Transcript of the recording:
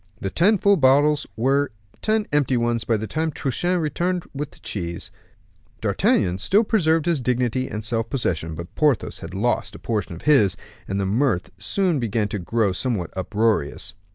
The ten full bottles were ten empty ones by the time Truchen returned with the cheese. D'Artagnan still preserved his dignity and self possession, but Porthos had lost a portion of his; and the mirth soon began to grow somewhat uproarious.